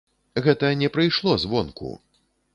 Гэта не прыйшло звонку.